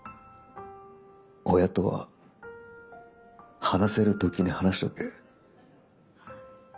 親とは話せる時に話しとけ。